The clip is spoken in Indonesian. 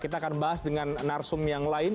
kita akan bahas dengan narsum yang lain